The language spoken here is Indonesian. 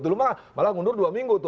malah mundur dua minggu tuh